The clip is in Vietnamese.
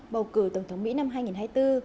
bầu cử tổng thống mỹ năm hai nghìn hai mươi bốn